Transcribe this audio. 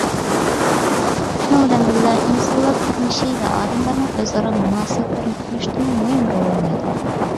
شۇنىڭ بىلەن بىللە ئىنسانلار تۇرمۇشى ۋە ئادەملەرنىڭ ئۆزئارا مۇناسىۋەتلىرىنى تونۇشتىمۇ مۇھىم رول ئوينايدۇ.